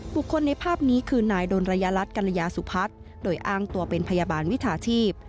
คนในภาพนี้คือนายดนระยะรัฐกรยาสุพัฒน์โดยอ้างตัวเป็นพยาบาลวิชาชีพ